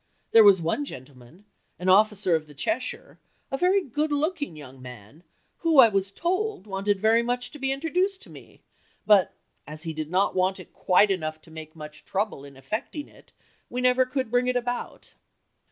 There was one gentleman, an officer of the Cheshire, a very good looking young man, who, I was told, wanted very much to be introduced to me; but as he did not want it quite enough to take much trouble in effecting it, we never could bring it about."